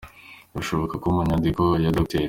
Birashoboka ko mu nyandiko ya Dr.